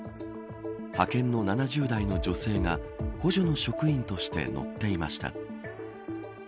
派遣の７０代の女性が補助の職員として乗っていました。